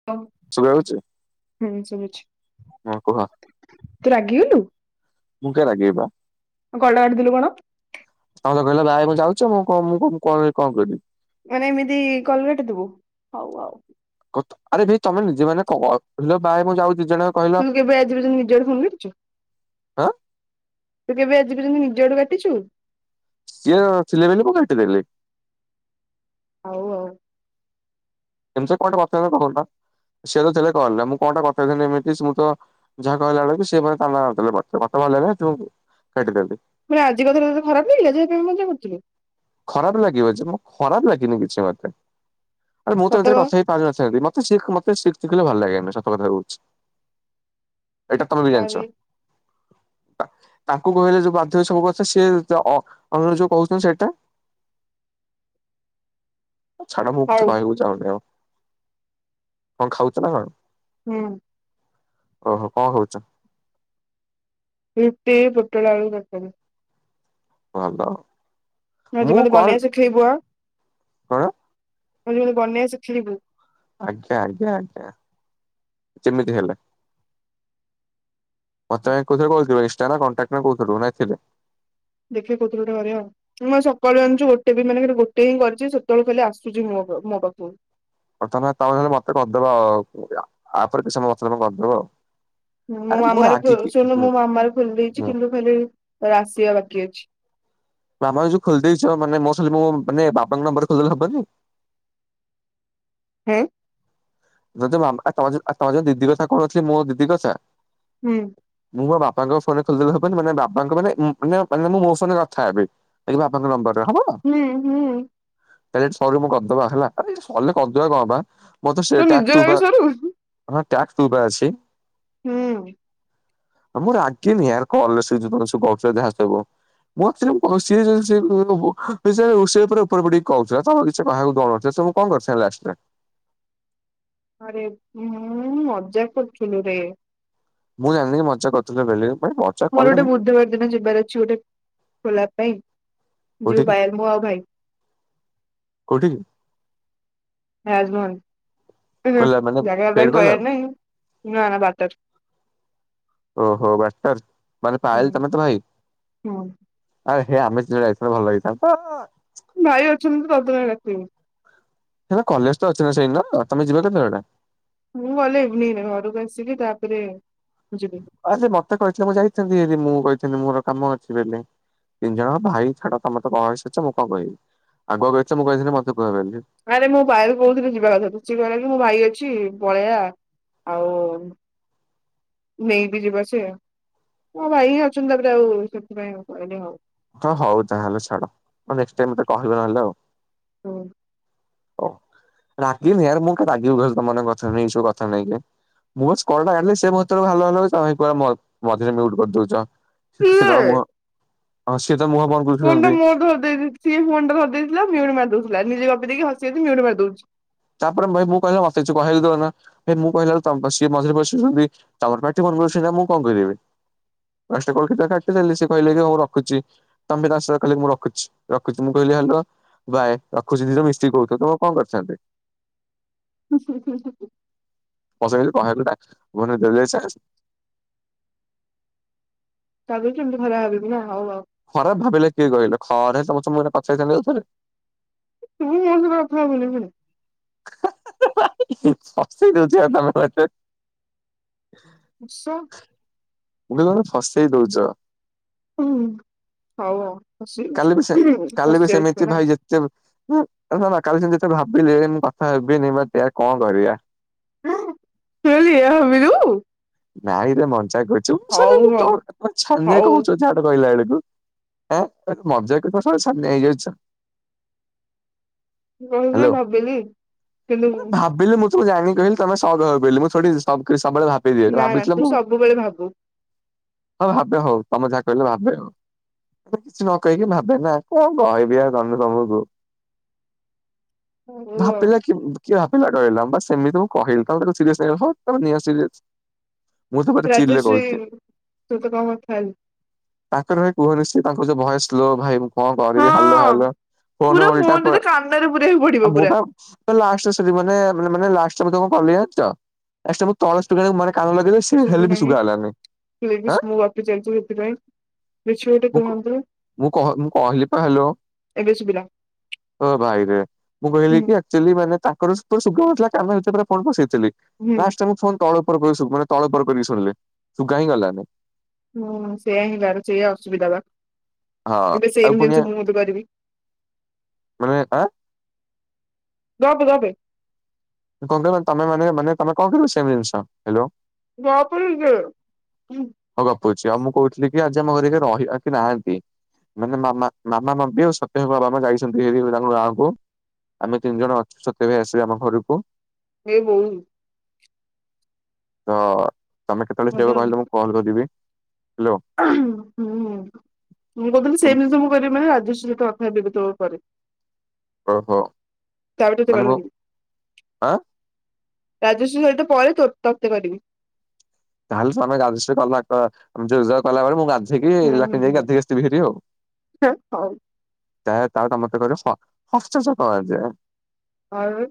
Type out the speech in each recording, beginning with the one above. [unintelligible] ଶୁଗା ଜାଉଛି? ହୁଁ ଶୁୁଗୁଛି। ହଁ କୁହ। ତୁ ରାଗିିଗଲୁ? ମୁଁ କାଇଁ ରାଗିବି ବା। ମୋ କଲ ଟା କାଟି ଦେଲୁ କଣ? ତମେ ତ କହିଲ ଵାଏ ମୁଁ ଯାଉଛି ଆଉ, ମୁଁ କଣ ମୁଁ କଲ୍ ରେ ରହି କଣ କରିବି। ମାନେ ଏମିତି କଲ ଗେଟ୍ ଥିବୁ ହଉ ହଉ। ଆରେ ଭାଇ ତମେ ନିଜେ ମାନେ କ କହିଲ ବାଏ ମୁଁ ଯାଉଛି ଯେଣେ ତୁ କେବେ ଆଗୁରୁ ନିଜ ଆଡୁ ଫୋନ କରିଛୁ? ଆଁ ତୁ କେବେ ଆଜି ପର୍ଯ୍ୟନ୍ତ ନିଜ ଆଡୁ କାଟିଛୁ? ସିଏ ଛିଲେ ବେଲି କଣ ପାଇଁ କାଟି ଦେଲି? ହଉ ଆଉ। ଏମିତି କଣଟା ଗପିବି କହୁନା? ସେ ତ ଥିଲେ କଲ୍ ରେ ମୁଁ କଣଟା ଗପିବିନି ଏମିତି ସ୍ମୁ ତ ଯାହା କହିଲା ବେଳକୁ ସେ [unintelligible] କାଟିଦେଲି। ମୁଁ କହିଲି ଆଜିିକ [unintelligible] ଖରାପ ହେଇ ଗଲି ମଜା କରୁଥିଲି। ଖରାପ ଲାଗିବ ଯେ, ମୁଁ ଖରାପ ଲାଗିନି କିଛି ମତେ। ଆରେ ମୁଁ ତ ସତ ଏଥିରେ କହ କଥା ହେଇ ପାରିନଥାନ୍ତି। ମତେ ଶିଖ ମତେ ଶିଖ ଦେଖେଇଲେ ଭଲ ଲାଗେନା ସତ କଥା କହୁଛି। ଏଇଟା ତୁମେ ବି ଆରେ ଜାଣିଛ। ତାଙ୍କୁ କହିଲେ ଯୋଉ ବାଧ୍ୟ ସବୁ କଥା, ସେ ଅ ଅନ୍ୟ ଯୋଉ କହୁଛନ୍ତି ସେଇଟା? ଛାଡ ମୁଁ କିଛି ହଉ କହିବାକୁ ଚାହୁଁନି ଆଉ। କଣ ଖାଉଛ ନା କଣ?। ହୁଁ। ଓହୋ କଣ ଖାଉଛ? ରୁଟି ପୋଟଳ ଆଳୁ ତରକାରୀ। ଭଲ। ଆଜି ମୁଁ ଖାଲି କଲ୍ ବନେଇଆ ଶିଖେଇବୁ ଆ। କଣ? ଆଜି ଖାଲି ବନେଇବା ଶିଖେଇବୁ। ଆଜ୍ଞା ଆଜ୍ଞା ଆଜ୍ଞା ଯେମିତି ହେଲା। ମତେ କାହିଁ କହୁଥିଲୁ କୋଉଥି ପାଇଁ, ଇଷ୍ଟା ନା, କଣ୍ଟାକ୍ଟ କହୁଥିଲୁ ନା [unintelligible] ପାଇଁ? ଦେଖିବି କୋଉଥିରେ ଗୋଟେ ବାଡେଆଉ। ମୁଁ ସକାଳୁ ଜାଣିଛୁ ଗୋଟେ ବି ମାନେ ଗୋଟେ ହିଁ କରିଛି ସେତେବେଳେ ଖାଲି ଆସୁଛି ମୋ ପା ମୋ ପାଖକୁ। ପ୍ରଥମେ ତମେ ହେଲେ ମତେ କରିଦବ ଆଉ ଆପରେ କିଛି ସମୟ ମତେ ତମେ କରିଦେବ ଆଉ। ହୁଁ ମୋ ଆରେ ମୁଁ ମାମାର ଖୋଲ ରାଗିକି ଶୁଣୁନୁ ହୁଁ ମୁଁ ମାମାର ଖୋଲି ଦେଇଛି ହୁଁ କିନ୍ତୁ ଖାଲି ଆସିବା ବାକି ଅଛି। ମାମା ର ଯୋଉ ଖୋଲିଦେଇଛ ମାନେ ମୋ ସ ମୋ ମାନେ ବାପାଙ୍କ ନମ୍ବର ଖୋଲିଦେଲେ ହବନି? ଏଁ। [unintelligible] ଦିଦି କଥା କହୁନଥିଲି ମୋ ଦିଦି କଥା। ଉୁଁ। ମୁଁ ମୋ ବାପାଙ୍କ ଫୋନେ ଖୋଲିଦେଲେ ହବନି ମାନେ ବାପାଙ୍କ ମାନେ ମାନେ ମାନେ ମୁଁ ମୋ ଫୋନରେ କଥା ହେବି। ଏଇ ବାପାଙ୍କ ନମ୍ବରରେ ହବ। ନାଁ ହିଁ। ହେ ସରୁ ମୁଁ କରିଦବା ହେଲା ସରିଲେ କରିଦବା କଣବା ମତେ ତୋ ଟ୍ୟାକ ନିଜର ଆଗେ ଟୁବା ସରୁ ହଁ ଟ୍ୟାକ ଟୁବା ଅଛି। ହୁଁ ମୁଁ ରାଗିନି ଆର କଲେଜ ଯୁଗର କହୁଥିଲେ ଯାହା ହବ। [unintelligible] ସେ ପୁରା ଉପରେ ପଡିକି କହୁଥିଲା [unintelligible] କଣ କରିସାଇଲେ ଆସିପାରେ। ଆରେ ମୁଁ ମଜାକ କରୁଥିଲିରେ। ମୁଁ ଜାଣିନି ମଜା କରିଥିଲ ବୋଲି [unintelligible] ମୋର ଗୋଟେ ବୁଧବାର ଦିନ ଯିବାର ଅଛି ଗୋଟେ ଗୋଲାପ ପାଇଁ ଯଉ କୋଉଠିକି ପାଏଲ ମୁଁ ଆଉ ଭାଇ। କୋଉଠିକି। [unintelligible] ଖୋଲା ମାନେ ଜାଗା ପେଡ୍ ନାଇଁ କଲା କହିବାର ନାହି ନାଁ ନାଁ ବାଟରେ ଓହୋ ବାଟର ମାନେ ପାଏଲ ତମ ତ ଭାଇ। ଅଁ। ଆଏ ହେ ଆମେ ଦିଜଣ ଯାଇଥିଲେ ଭଲ ହେଇଥାନ୍ତା। ଭାଇ ଅଛନ୍ତି ପତକା କାଟିମୁ। ହେଲେ କଲେଜ ଅଛିନା ସେଇଦିନ ତମେ ଯିବ କେତେବେଳେ। ମୁଁ ଗଲେ ଇଭିନିଂରେ ଘରକୁ ଆସିବି ତାପରେ ଯିବି। ଆରେ ସେ ମତେ କହିଥିଲେ ମୁଁ ଯାଇଥାନ୍ତି ମୁଁ କହିଥିଲେ ମୋର କାମ ଅଛି ବୋଲି। ତିନି ଜଣ ଭାଇ ଛାଡ ତମେତ କଣ କହିସାରିଛ ମୁଁ କଣ କହିବି ଆଗ ଆଗ ଆସିଛ ମୁଁ କହିଦେଲେ ମୋତେ ଖରାପଭାବିବେ। ଆରେ ମୋ ଭାଇକୁ କହୁଥିଲି ଯିବାକଥା ସେ କହିଲାକି ମୋ ଭାଇ ଅଛି ପଳେଇବା। ଆଉ ନେଇବି ଯିବା ସିଏ। ମୋ ଭାଇ ଅଛନ୍ତି ତାପରେ ଆଉ ସେଥିପାଇଁ ଆଉ କହିଲି ହଉ। ହଁ ହଉ ତାହେଲେ ଛାଡ ହଁ ନେଷ୍ଟ ଟାଇମ କହିବେ ନହେଲେ ଆଉ। ହୁଁ। ଓ ରାଗିନି ଇଆର ମୁଁ ରାଗିବ କହିଲ ତମ ମାନଙ୍କ କଥା ନେଇକି ସବୁ କଥା ନେଇକି। ମୁଁ ଅଛି କଲଟା କାଟିଲେ ସେ ମୋତେ ହାଲୋ ହାଲୋ ତମେ କୁଆଡେ ମଝିରେ ମିଉଟ କରିଦଉଚ। ସିଏ [unintelligible] ଫୋନ ଟା ମୋର ଧରି ଦେଇ ସିଏ ଫୋନଟା ଧରି ଦେଇଥିଲା ମିଉଟ ମାରି ଦଉଥିଲା ନିଜେ ଗପି ଦେଇକି ହସି ହସି ମିଉଟ ମାରି ଦଉଛି। ତାପରେ ଭାଇ ମୁଁ କହିଲେ ମତେ କିଛି କହେଦୋଉନ। ଇବେ ମୁଁ କହିଲା ବେଳକୁ ତମେବା ସିଏ ମିଝିରେ ପସୁଛନ୍ତି ତମର ପାଟିକରୁନ ସେ ଯାହା ମୁଁ କଣ କହିବିଏବେ। ଫାଷ୍ଟ କହିକି କାଟିଦେଲି ସେ କହିଲେକି ମୁଁ ରଖୁଛି। ତମେ ତାସହ କହିଲକି ମୁଁ ରଖୁଛି ରଖୁଛି ମୁଁ କହିଲି ହାଲୋ। ଭାଇ ରଖୁଛନ୍ତି ମିସିକି କହୁଚ ତମ କଣ କରିଥାନ୍ତି। [unintelligible] [unintelligible] କାଲି ସେମିତି ଖରା ହବନିନା ହଉ ହଉ। ଖରାପ ଭାବିଲେ କିଏ କହିଲ ଘରେ ସମସ୍ତେ ଅଛ ମୁଁ ପଚାରିଥାନ୍ତି ଆଉ ଥରେ। ତୁ ମୋ ସହ କଥାହବୁନି ଫେର। ହାଁ ହାଁ ହାଁ ହସେଇ ଦଉଚ ତମେ ମତେ। ଆସ ମୁୁମେ ମାନେ ଫସାଇ ଦଉଚ। ହୁଁ ହଉ ଆଉ। ହସି ଯାଉଛି କାଲି ବି ସେ କାଲି ହସି ବି ଯାଉଛୁ ସେମିତି ନା ଭାଇ ଯେ ଶୁଣନା କାଲି ଯୋଉକଥା ଭାବିଲେ ମୁଁ କଥା ହେବିନି ମୋଟେ କଣ କରିଆ? ହରେ ତୁ ଏଇଆ ଭାବିଲୁ? ନାଇଁରେ ମଜାକ୍ କରିଚୁ [inaudible] ହଉ ହଉ ଆ ଛାନିଆ କଁ ହଉ ହଉଚୁ ଏତେ। ଯାହା ଗୋଟେ କଇଲା ବେଳକୁ ଆ ମଜାକ ରେ ସମସେ ଛାନିଆ ହେଇଯାଉଚ। [unintelligible] ଏଇନେ ଭାବିଲି। କିନ୍ତୁ ବିଲୁ ମୁଁ ତୁ ଜାଣିକହିଲି ତମେ ସହଜ ଭାବି ବୋଲି ମୁଁ ଥୋଡି ସବୁବେଳେ ଭାବେ। ନା ନା ତୁ ସବୁବେଳେ ଭାବୁ। ହଁ ଭାବେ ହଉ ତମେ ଯାହା କହିଲ ଭାବେ ଆଉ। କିଛି ନ କହିକି ଭାବେ ନା କଣ କହିବି ଆଉ ତମେ ତମୁକୁ। ହଉ ଆଉ ଭାବିଲା କି କିଏ ଭାବିଲା ଠୁ ହେଲା ବାସ୍ ଏମିତି ମୁଁ କହିଲି ତାକୁ ତମେ ସିରିଏସ୍ ନେଇଯାଉଚ [inaudible] ରାଗିଚି ତୋ ସହିତ ଆଉ କଥାହେବିନି। ତାଙ୍କର ଭାଇ କୁହନି ସେ ତାଙ୍କ ଯୋଉ ଭଏସ୍ ସ୍ଲୋ ଭାଇ କଣ କରିବି ହାଲୋ ହଁ ହାଲୋ ପୁରା ଫୋନ ଓଲଟା ଫୋନରେ ପ ତ କାନରେ ପୁରେଇବାକୁ ଆ ପଡିବ ପୁରା ମୁଁପା ଲାଷ୍ଟରେ ଶୁଭିବନି ମାନେ ଲାଷ୍ଟ ରେ ମୁଁ କଲି ଜାଣିଚ ଲାଷ୍ଟ ତଳେ ସ୍ପିକର୍ ମାନେ ତମର ବି ସେ ହେଲେ ଶୁଭୁ ବି ନାହିଁ ଶୁଗା ହେଲାନି ଆଁ [inaudible] ମୁଁ ଗପି ଚାଲିଚି ସେଥିପାଇଁ। କିଛି ଗୋଟେ ମୁଁ କ କୁହନ୍ତୁ ମୁଁ କମୁଁ କହିଲି ପା ହାଲୋ। ଏବେ ଶୁଭିଲା ଓ ଭାଇରେ ମୁଁ କହିଲି ହୁଁ କି ଆଚୁଆଲି ମାନେ ତାଙ୍କର ଯେତେବେଳେ ଶୁଭାଯାଉଥିଲା କାନରେ ମୁଁ ଫୋନ୍ ପସେଇଥିଲି ହୁଁ ଲାଷ୍ଟ କୁ ତଳ ଉପର କଲି ସବୁ। ମାନେ ତଳେ ଉପର କରିକି ଶୁଣିଲେ ସୁୁଗା ହିଁ ଗଲାନି। ହୁଁ ସେଇୟା ହିଁ ତାର ସେଇୟା ଅସୁବିଧା ବା ହଁ ଏବେ ଆଉ ସେମ୍ ପୁଣି ଜିନିଷ ମୁଁ ବି କରିବି। ମାନେ ତା ଗପେ ଗପେ। କଣ କହିବ ତମେ ମାନେ ମାନେ ତମେ କଣ କରିବ ସେମ୍ ଜିନିଷ? ହାଲୋ। ଗପେ ନିଜେ। ହଁ ଗପୁଛି ଆଉ ମୁଁ କହୁଥିଲି କି ଆଜି ଆମ ଘରେ ରହିବା କେଇ ନାହାନ୍ତି। ମାନେ ମାମା ମଧ୍ୟ ସତ୍ୟ ଭାମା ବା ଯାଇସନ୍ତି ହେରି ତାଙ୍କ ଗାଁକୁ। ଆମେ ତିନି ଜଣ ଅଛୁ ସତ୍ୟ ଭାଇ ଆସିବେ ଆମ ଘରକୁ। ହେ ବୋଉ। ହଁ ତମେ କେତେବେଳେ ଭଲ ଯିବ ଆଉ କହିଲ ମୁଁ କଲ୍ କରିବି ହାଲୋ। ହୁଁ। ମୁଁ କହୁଥିଲି ସେଇ ଜିନିଷ ମୁଁ କରିବି ମାନେ ରାଜସ୍ ସ୍ବତ ଅଧା ବିପୁତ କରେ। ଓହୋ ମାନେ ମୁଁ ଆଁ [unintelligible] ରାଜସ୍ରି ସହିତ ପରେ ତତେ କରିବି। ତାହେଲେ [inaudible] ଯିଏ ଯାହା କଲା ପରେ ମୁଁ ବାଧ୍ ଯିଏକି ହୁଁ ହୁଁ ରାତିରେ ଯାଇକି ହୁଁ ଗାଧେଇକି ଆସିଥିବି ହେରି ଆଉ। ହଉ ତା ତାରେ ସମସ୍ତେ କଇଲୁ ଷଷ୍ଠ ସପ୍ତମ ଯାଏ। ଆଲି।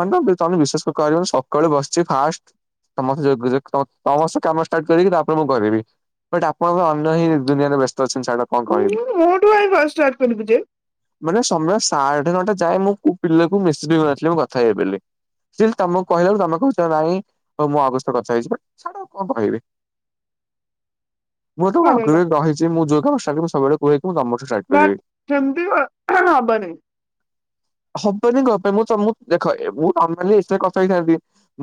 ମାନେ ତ ତମେ ବିଶ୍ୱାସ ତ କରିବନି ସକାଳୁ ବସିଚି ଫାଷ୍ଟ ତମ ସ ଯୋଗା ଯୋଗ୍ ତମ ତମ ସହ କାମ ଷ୍ଟାର୍ଟ କରିକି ତାପରେ ମୁଁ କରିବି ବଟ୍ ଆପଣ ତ ଅନ୍ୟ ହିଁ ଦୁନିଆରେ ବେସ୍ତ ଅଛନ୍ତି ଛାଡ। କଣ କହିବି। ହୁଁ ମୋ ଠୁ କାଇଁ ଫାଷ୍ଟ୍ ଷ୍ଟାର୍ଟ କରିବୁ ଯେ। ମାନେ ସମୟ ସାଢେ ନଅଟା ଯାଏଁ ମୁଁ କୋଉ ପିଲାକୁ ମେସେଜେ କରିନଥିଲି ମୁଁ କଥା ହେବି ବେଲି। ଷ୍ଟିଲ୍ ତମୁକୁ କହିଲା ବେଳୁ ତମେ କହୁଚ ନାଇଁ ମୋର ମୁଁ ଆଉ କାହା ସହିତ କଥା ହେଇଚି ପା। ଛାଡ ଆଉ କଁ କହିବି ମୁଁ ତମୁକୁ ପାଗଳ ଆଗୁରୁ ବି କହି ଚି ମୁଁ ଯୋଉ କାମ [unintelligible] ସବୁବେଳେ କୁହେ ମୁଁ ତମଠୁ ଷ୍ଟା ବଟ୍ ସେମତି ଅ ହ ହ ହବ ନେଇଁ। ହବନି କଁ ପାଇଁ ମୁଁ ତମୁକୁ ଦେଖ ଏ ମୁଁ ତମେ ମାନେ ଇଷ୍ଟାରେ କଥା ହେଇଥାନ୍ତି।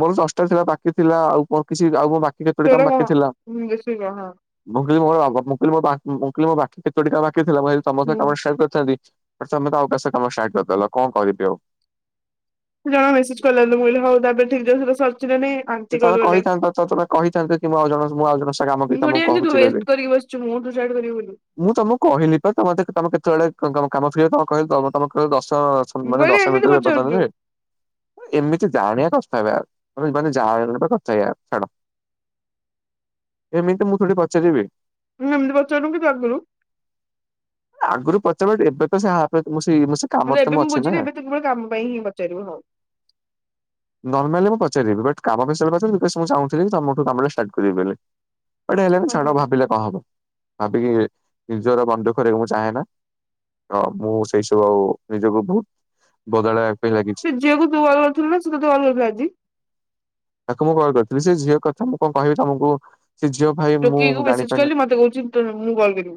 ମୋର ଦଶଟା ଥିଲା ବାକି ଥିଲା ଆଉ ମୋର କିଛି ଆଉ ମୋ ବାକି କେତୋଟି କାମ ସେଇଟା ବାକି କଣ ଥିଲା। ବେଶୀ କଣ ମୁଁ କହିଲି ମୋର [unintelligible] ମୁଁ କହିଲି ମୋ ବା ମୁଁ କହିଲି ମୋ ବାକି କେତୋଟି କାମ ବାକି ଥିଲା ମୁଁ ଭାବିଲି ତମ ସହ ହୁଁ କାମଟା ଷ୍ଟାର୍ଟ କରିଥାଆନ୍ତି ଆରେ ତମେ ତ ଆଉ କାହା ସହ କାମ ଷ୍ଟାର୍ଟ କରିଦେଲ କଁ କରିବି ଆଉ। ସିଏ ଜଣେ ମେସେଜ୍ କଲା ବେଲେ ମୁଁ କହିଲି ହଉ ତାବେ ଠିଗା [unintelligible] ସରଚି ନାହିଁ। ଯେ ତମେ କହିଥାନ୍ତ୍ [unintelligible] କହିଥାନ୍ତେ କି ମୁଁ ଆଉ ଜଣଙ୍କ ସ୍ ମୁଁ ଆଉ ଜଣଙ୍କ ସହ [unintelligible] ବି ତମୁକୁ କହୁଛି ବେଲି। ସେ ମୁଁ ଡିସାଇଡି କରିବି ବୋଲି। ମୁଁ ତମୁକୁ କହିଲି ପା ତମେ ମତେ କେ ତମେ ମତେ କେତେବେଳେ [unintelligible] କାମ ଛିଡିବ ତମୁକୁ କହିଲି ତମେ ତମେ କହିଲ ଦଶ [unintelligible] ମୁଁ ମାନେ କହିଲି ଦଶ ଏମିତି ମିଣ୍ଟିରେ ପଚାରୁଛୁ [unintelligible] ଏମିତି ଜାଣିଆ କଥା ବେ ୟାର [unintelligible] ଯାହା [unintelligible] ଛାଡ ଏମିତି ମୁଁ ଥୋଡି ପଚାରିବି। ଆମେ ଏମିତି ପଚାରୁନୁ କି ତୁ ରାଗୁନୁ। ଆଗୁରୁ ପଚାରୁନଥି ଏବେ ତ ସେ ହାପେ ମୁଁ ସେଇ ମୁଁ ସେ କାମରେ ମାନେ ତ ଏବେ ମୁଁ ଅଛି ନା। ବୁଝିଲି ଏବେ କେବଳ କାମ ପାଇଁ ହିଁ ପଚାରିବୁ ହଉ। ନର୍ମାଲରେ ମୁଁ ପଚାରିିବି ବଟ୍ କାମ [unintelligible] ପଚାରିଲି ବିକଜ୍ ମୁଁ ଚାହୁଁଥିଲି କି ତମଠୁ କାମଟା ଷ୍ଟାର୍ଟ କରିବି ବେଲେ ଏଇଟା ହେଲାନି ହଁ ହଁ ଛାଡ ଭାବିଲେ କଁ ହବ ଭାବିକି ନିଜର ମନ ଦୁଃଖ କରିଆକୁ ମୁଁ ଚାହେଁ ନା। ହଁ ମୁଁ ସେଇ ସବୁ ଆଉ ନିଜକୁ ବୋହୁତ ବଦଳାଇବା ପାଇଁ ଲାଗିଛି। ସେ ଝିଅକୁ ତୁ କଲ୍ କରିଥିଲୁ ନା ସିଏ ତୋତେ କଲ୍ କରିଥିଲା ଆଜି? ତାକୁ ମୁଁ କଲ୍ କରିଥିଲି ସେ ଝିଅ କଥା ମୁଁ କଁ କହିବି ତମୁକୁ ସେ ଝିଅ ଭାଇ ମୁଁ ଟୋକିକୁୁ ମେସେଜ୍ ଜାଣିପାରୁନି କଲି ମତେ କହୁଛି ତତେ ମୁଁ କରିବି।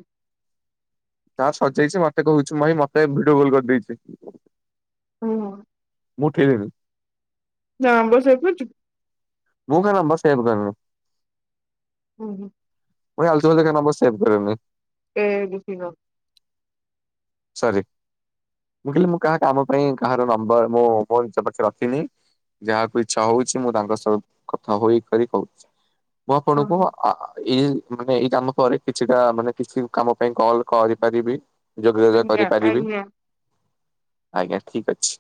ତାର ସରିଯାଇଛି ମତେ କହୁଛି ଭାଇ ମତେ ଭିଡିଓ କଲ୍ କରିଦେଇଛି। [unintelligible] ମୁଁ ଉଠେଇଲିନି। ଯା ଅମ୍ବର୍ ସେଭ୍ କରିଚୁ। ମୁଁ କାହା ନମ୍ବର ସେଭେ କରେନି। ଓହୋ। ମୁଁ ଏ ଆଲତୁ ଫାଲତୁ କାହା ନମ୍ବର ସେଭ୍ କରେନି। ଏ ନୃସିଂଘ ସରି ମୁଁ କହିଲି ମୁଁ କାହା କାମ ପାଇଁ କାହାର ନମ୍ବର ମୋ ନିଜ ପାଖେ ରଖିନି। ଯାହାକୁ ଇଚ୍ଛା ହଉଛି ମୁଁ ତାଙ୍କ ସହ କଥା ହୋଇକରି କହୁଛି ମୁଁ ହଁ ଆପଣଙ୍କୁ ହଁ ଆ ଏଇ ମାନେ ଏଇ କାମ ପରେ କିଛିଟା ମାନେ କିଛି କାମ ପାଇଁ କଲ୍ କରିପାରିବି। ଯୋଗାଯୋଗ ଆଜ୍ଞା କରିପାରିବି ଆଜ୍ଞା ଆଜ୍ଞା ଠିକ୍ ଅଛି।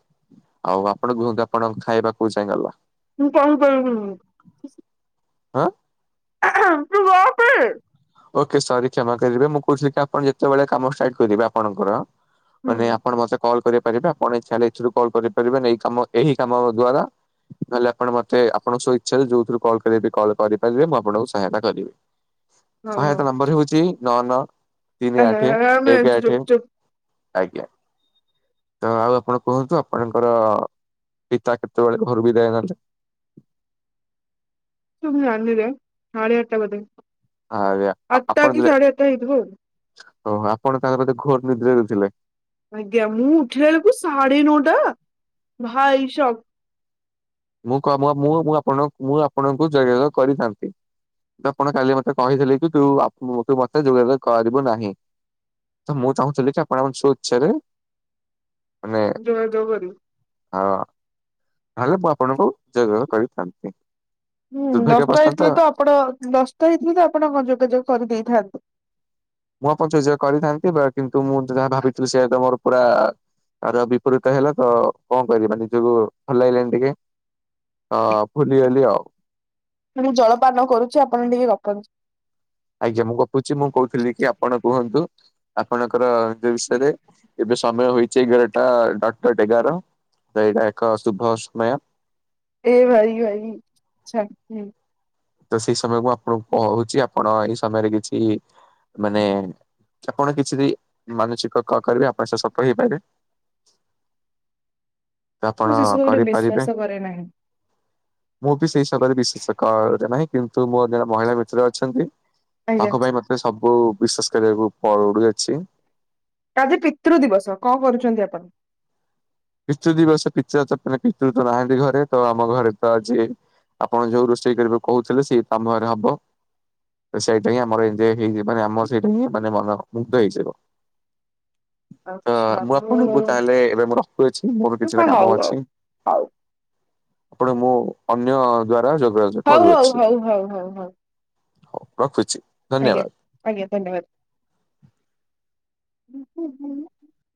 ଆଉ ଆପଣ କୁହନ୍ତୁ ଆପଣଙ୍କ ଖାଇବା କୋଉ ଯାଏଁ ଗଲା। ମୁଁ କହି ପାରିବିନି। ଆଁ ତୁ ଗପେ। ଓକେ ସରି କ୍ଷମା କରିବେ ମୁଁ କହୁଛି କି ଆପଣ ଯେତେବେଳେ କାମ ଷ୍ଟାଟ୍ କରିବେ ଆପଣଙ୍କର, ମାନେ ଆପଣ ମତେ କଲ୍ କରିପାରିବେ ଆପଣ ଇଚ୍ଛା ହେଲେ ଏଥିରୁ କଲ୍ କରିପାରିବେ ନେ ଏଇ କାମ ଏହି କାମ ଦ୍ଵାରା। ନହେଲେ ଆପଣ ମତେ ଆପଣ ସ୍ୱଇଚ୍ଛାରେ ଯୋଉଥିରୁ କଲ୍ କରିବେ କଲ୍ କରିପାରିବେ ମୁଁ ଆପଣଙ୍କୁ ସହାୟତା କରିବି। ସହାୟତା ନମ୍ବର ହେଉଛି ନଅ ନଅ, ତିନି ଆଠେ, ଏକ ଆଠେ, ଆଜ୍ଞା। ତ ଆଉ ଆପଣ କୁହନ୍ତୁ ଆପଣଙ୍କର ପିତା କେତେବେଳେ ଘରୁ ବିଦାୟ ନେଲେ? [unintelligible] ମୁ ଜାଣିନିରେ, ସାଢେ଼ ଆଠଟା ବୋଧେ, ଆଜ୍ଞା ଆଠଟା କି ସାଢେ଼ ଆଠଟା ହେଇଥିବ ଆଉ। ଓହୋ ଆପଣ ତାହେଲେ ବୋଧେ ଘୋର ନିଦ୍ରାରେ ଥିଲେ। ଆଜ୍ଞା ମୁଁ ଉଠିଲା ବେଳକୁ ସାଢେ ନଅଟା, ଭାଇସାବ୍। ମୁଁ କ ମୁ ମୁ ମୁଁ ଆପଣଙ୍କୁ ମୁଁ ଆପଣଙ୍କୁ ଯୋଗାଯୋଗ କରିଥାନ୍ତି। ତ ଆପଣ କାଲି ମତେ କହିଥିଲେ କି ତୁ ଆ ତୁ ମତେ ଯୋଗାଯୋଗ କରିବୁ ନାହିଁ। ତ ମୁଁ ଚାହୁଁଥିଲି କି ଆପଣଙ୍କ ସ୍ୱଇଚ୍ଛାରେ ମାନେ ଯୋଗାଯୋଗ କରିବୁ। ହଁ ନହେଲେ ମୁଁ ଆପଣଙ୍କୁ ଯୋଗାଯୋଗ କରିଥାନ୍ତି। ହୁଁ ଦୁର୍ଭାଗ୍ୟ ଦଶଟା ହେଇଥିଲେ ବଶତଃ ତ ଆପଣ ଦଶଟା ହେଇଥିଲେ ତ ଆପଣ ହଁ ଯୋଗାଯୋଗ କରି ଦେଇଥାନ୍ତେ। ମୁଁ ଆପଣଙ୍କୁ ଯୋଗାଯୋଗ କରିଥାନ୍ତି ବା କିନ୍ତୁ ମୁଁ ଯାହା ଭାବିଥିଲି ସେଇଆ ତ ମୋର ପୁରା ଆର ବିପରୀତ ହେଲା ତ କଣ କରିବା ନିଜକୁ ଭଲ ଲାଗିଲାନି ଟିକେ। ତ ଭୁଲିଗଲି ଆଉ। ମୁଁ ଜଳପାନ କରୁଚି ଆପଣ ଟିକେ ଗପନ୍ତୁ। ଆଜ୍ଞା ମୁଁ ଗପୁଛି ମୁଁ କହୁଥିଲି କି ଆପଣ କୁହନ୍ତୁ ଆପଣଙ୍କର [unintelligible] ବିଷୟରେ ଏବେ ସମୟ ହୋଇଛି ଏଗରଟା ଡଟ୍ ଡଟ୍ ଏଗାର, ତ ଏଇଟା ଏକ ଶୁଭ ସମୟ। ଏ ଭାଇ ଭାଇ ଛାଡ଼୍ ହୁଁ। ତ ସେଇ ସମୟକୁ ଆପଣଙ୍କୁ କହୁଛି ଆପଣ ଏଇ ସମୟରେ କିଛି ମାନେ ଆପଣ କିଛିବି ମାନସିକ କ କରିବେ ଆପଣ ସେ ସଫଳ ହେଇପାରିବେ। ତ ମୁଁ ଆପଣ ସେସବୁରେ କରିପାରିବେ। ବିଶ୍ଵାସ କରେ ନାହିଁ। ମୁଁ ବି ସେଇ ସମୟରେ ବିଶେଷକରେ ନାହିଁ କିନ୍ତୁ ମୋର ଜଣେ ମହିଳା ମିତ୍ର ଅଛନ୍ତି। ଆଜ୍ଞା ତାଙ୍କ ପାଇଁ ମତେ ସବୁ ବିଶ୍ଵାସ କରିବାକୁ ପଡୁଅଛି। ଆଜି ପିତୃ ଦିବସ କଣ କରୁଛନ୍ତି ଆପଣ? ପିତୃ ଦିବସ ପିତ [unintelligible] ପିତୃ ତ ନାହାଁନ୍ତି ଘରେ ତ ଆମ ଘରେ ତ ଆଜି ଆପଣ ଯୋଉ ରୋଷେଇ କରିବାକୁ କହୁଥିଲେ ସେଇ ତମ ଘରେ ହବ, ତ ସେଇଟା ହିଁ ଆମର ଏଇ ଯେ ହେଇଚି ମାନେ ଆମର ସେଇଟା ହିଁ ମାନେ ମନ ମୁଗ୍ଧ ହେଇଯିବ। ତ ମୁଁ ଆପଣଙ୍କୁ ତାହେଲେ ଏବେ ମୁଁ ରଖୁଅଛି ମୋର କିଛିଟା ହଉ କାମ ହଉ ଅଛି। ହଉ ଆପଣ ମୁଁ ଅନ୍ୟ ଦ୍ଵାରା ଯୋଗାଯୋଗ ହଉ ହଉ କରୁଅଛି। ହଉ ହଉ ହଉ ହଉ ହଉ ରଖୁଛି। ଆଜ୍ଞା, ଧନ୍ୟବାଦ। ଆଜ୍ଞା ଧନ୍ୟବାଦ୍।